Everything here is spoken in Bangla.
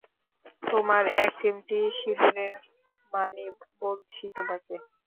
তোমার এক চিমটি সিদুরের মানি বলছি তোমাকে।